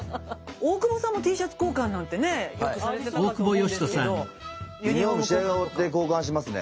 大久保さんもＴシャツ交換なんてねよくされてたかと思うんですけど。